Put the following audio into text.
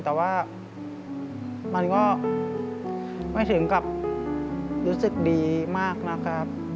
แต่ว่ามันก็ไม่ถึงกับรู้สึกดีมากนะครับ